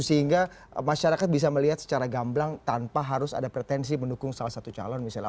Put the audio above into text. sehingga masyarakat bisa melihat secara gamblang tanpa harus ada pretensi mendukung salah satu calon misalnya